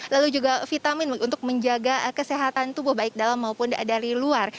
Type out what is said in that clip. lalu juga vitamin untuk menjaga kesehatan tubuh baik dalam maupun dari luar